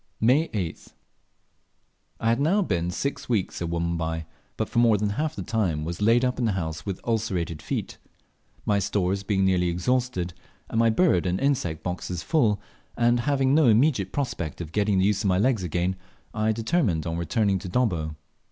May 8th. I had now been six weeks at Wanumbai, but for more than half the time was laid up in the house with ulcerated feet. My stores being nearly exhausted, and my bird and insect boxes full, and having no immediate prospect of getting the use of my legs again, I determined on returning to Dobbo.